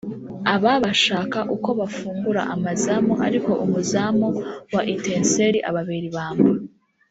Aba bashaka uko bafungura amazamu ariko umuzamu wa Etincelles ababera ibamba